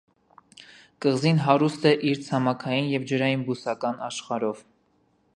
Կղզին հարուստ է իր ցամաքային և ջրային բուսական աշխարհով։